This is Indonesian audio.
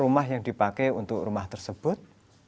rumah yang dipakai untuk rumah tersebut